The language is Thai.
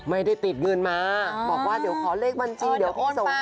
ไม่ได้ติดเงินมาบอกว่าเดี๋ยวขอเลขบัญชีเดี๋ยวไปส่ง